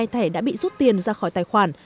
hai mươi hai thẻ đã bị rút tiền ra khỏi tài khoản